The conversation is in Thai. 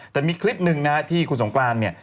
แต่มีคลิปหนึ่งนะที่คุณสงกรานเนี่ย